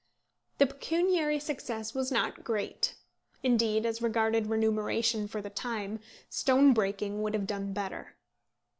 The pecuniary success was not great. Indeed, as regarded remuneration for the time, stone breaking would have done better.